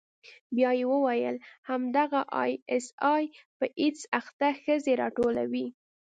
بيا يې وويل همدغه آى اس آى په ايډز اخته ښځې راټولوي.